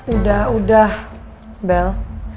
udah udah bel